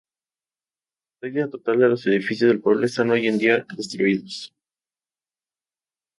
La práctica totalidad de los edificios del pueblo están hoy en día derruidos.